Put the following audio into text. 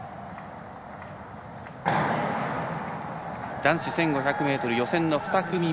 男子１５００ｍ予選の２組目。